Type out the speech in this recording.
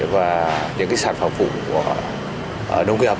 và những sản phẩm phụ của nông nghiệp